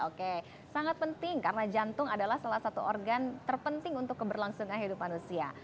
oke sangat penting karena jantung adalah salah satu organ terpenting untuk keberlangsungan hidup manusia